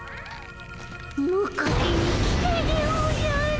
むかえに来たでおじゃる。